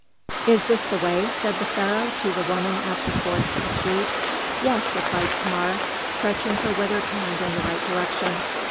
"Is this the way?" said the Pharaoh to the woman at the forks of a street. "Yes," replied Thamar, stretching her withered hand in the right direction.